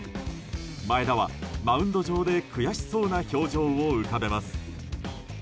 前田はマウンド上で悔しそうな表情を浮かべます。